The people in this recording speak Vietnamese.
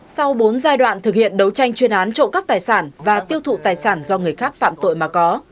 sau bốn giai đoạn thực hiện đấu tranh chuyên án trộm cắp tài sản và tiêu thụ tài sản do người khác phạm tội mà có